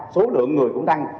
số lượng người cũng tăng